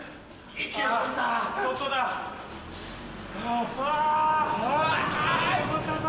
生き残ったぞ！